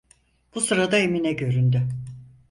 Bu sırada Emine göründü.